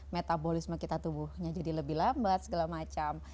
metabolisme kita tubuhnya jadi lebih lambat segala macam